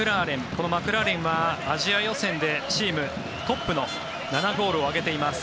このマクラーレンはアジア予選でチームトップの７ゴールを挙げています。